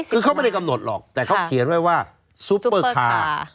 คือเขาไม่ได้กำหนดหรอกแต่เขาเขียนไว้ว่าซุปเปอร์คาร์